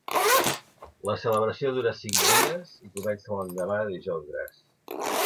La celebració dura cinc dies i comença l'endemà de Dijous Gras.